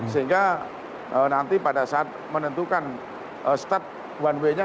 sehingga nanti pada saat menentukan start one waynya